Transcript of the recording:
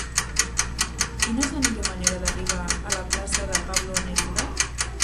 Quina és la millor manera d'arribar a la plaça de Pablo Neruda?